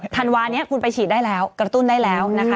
ธันวานี้คุณไปฉีดได้แล้วกระตุ้นได้แล้วนะคะ